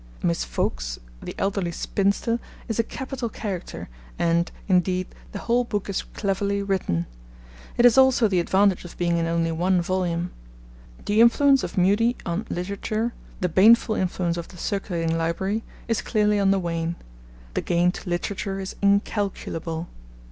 Miss Ffoulkes, the elderly spinster, is a capital character, and, indeed, the whole book is cleverly written. It has also the advantage of being in only one volume. The influence of Mudie on literature, the baneful influence of the circulating library, is clearly on the wane. The gain to literature is incalculable.